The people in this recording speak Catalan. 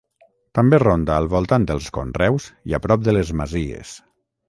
També ronda al voltant dels conreus i a prop de les masies.